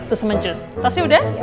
tuh samancus tasnya udah